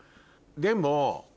でも。